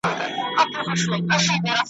موږ نه پوهیږو چي رباب ,